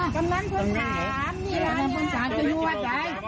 กำลังคือสามจะนวดไหม